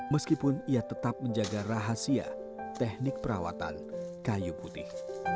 meskipun ia tetap menjaga rahasia teknik perawatan kayu putih